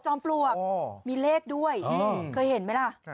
ปลวกมีเลขด้วยเคยเห็นไหมล่ะ